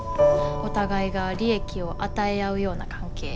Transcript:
お互いが利益を与え合うような関係。